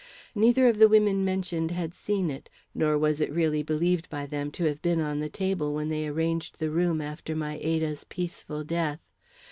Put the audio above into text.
Neither of the women mentioned had seen it, nor was it really believed by them to have been on the table when they arranged the room after my Ada's peaceful death.